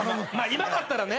今だったらね